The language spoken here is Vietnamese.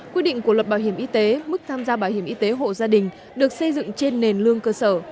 quy định của luật bảo hiểm y tế mức tham gia bảo hiểm y tế hộ gia đình được xây dựng trên nền lương cơ sở